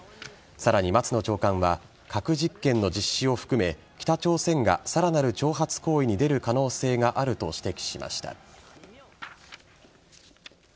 さらに松野長官は核実験の実施を含め北朝鮮がさらなる挑発行為に出る可能性があると指摘しました。